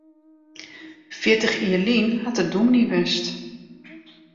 Fjirtich jier hat er dûmny west.